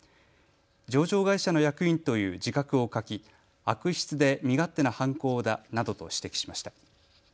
上場会社の役員という自覚を欠き悪質で身勝手な犯行だなどと指摘しました。